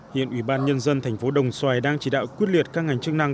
hiện ủy ban nhân dân tp đồng xoài đang chỉ đạo quyết liệt các ngành chức năng